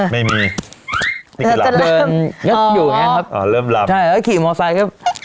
ไม่มีนี่คือลำอ๋อเริ่มลำใช่แล้วขี่มอสไซค์